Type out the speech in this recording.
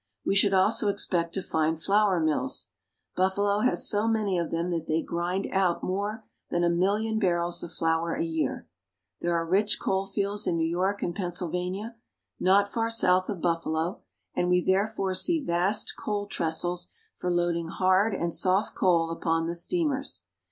We should also expect to find flour mills. Buffalo has so many of them that they grind out more than a million barrels of flour a year. There are rich coal fields in New York and Pennsylvania, not far south of Buffalo, and we therefore see vast coal trestles for loading hard and soft coal upon the steamers.